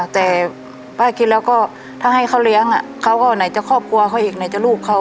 แต่ป้าคิดแล้วก็ถ้าให้เขาเลี้ยงเขาก็ไหนจะครอบครัวเขาอีกไหนจะลูกเขา